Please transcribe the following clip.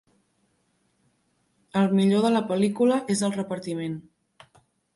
El millor de la pel·lícula és el repartiment.